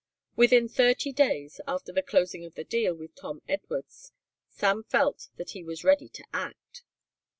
Within thirty days after the closing of the deal with Tom Edwards Sam felt that he was ready to act.